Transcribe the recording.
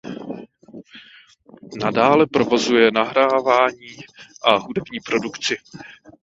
Nadále provozuje nahrávání a hudební produkci.